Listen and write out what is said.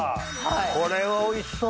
これはおいしそう！